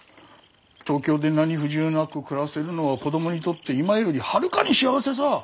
東京で何不自由なく暮らせるのは子供にとって今よりはるかに幸せさぁ。